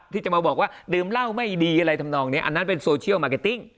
ที่จะมาบอกว่าดื่มเหล้าไม่ดีอะไรทำนองนี้อันนั้นเป็นโซเชียลมาร์เก็ตติ้ง